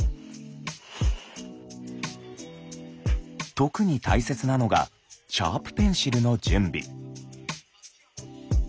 特に大切なのがシャープペンシルの準備。